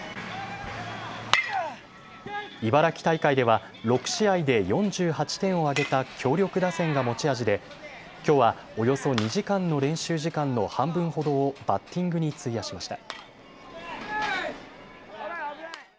茨城大会では６試合で４８点を挙げた強力打線が持ち味できょうはおよそ２時間の練習時間の半分ほどをバッティングに費やしました。